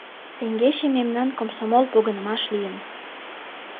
— Теҥгече мемнан комсомол погынымаш лийын...